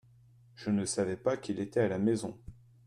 Je ne savais pas qu'il était à la maison.